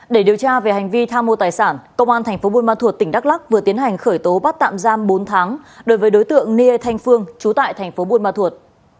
để điều tra về hành vi tham mô tài sản công an tp bun ma thuột tỉnh đắk lắc vừa tiến hành khởi tố bắt tạm giam bốn tháng đối với đối tượng nia thanh phương trú tại tp bun ma thuột